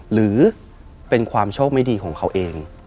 หรือเป็นความโชคไม่ดีของเขาเอง